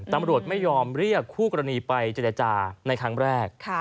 ตำรวจไม่ยอมเรียกคู่กรณีไปเจรจาในครั้งแรก